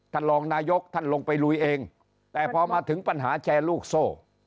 ท่านรองนายกท่านลงไปลุยเองแต่พอมาถึงปัญหาแชร์ลูกโซ่